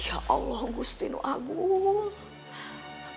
ya allah gustinu agung